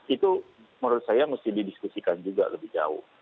itu menurut saya mesti didiskusikan juga lebih jauh